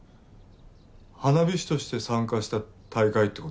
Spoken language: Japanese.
花火師として参加した大会って事？